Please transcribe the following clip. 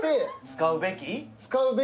使うべき？